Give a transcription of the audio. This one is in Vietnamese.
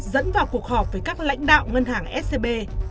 dẫn vào cuộc họp với các lãnh đạo ngân hàng scb